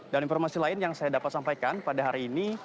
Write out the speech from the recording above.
dan informasi lain yang saya dapat sampaikan pada hari ini